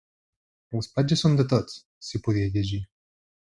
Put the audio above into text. Les platges són de tots, s’hi podia llegir.